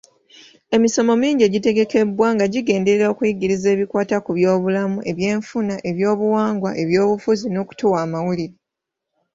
Emisomo mingi egitegekebwa nga gigenderera okuyigiriza ebikwata ku byobulamu, ebyenfuna, ebyobuwangwa, ebyobufuzi; n’okutuwa amawulire.